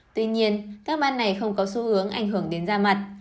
tuy nhiên các ban này không có xu hướng ảnh hưởng đến da mặt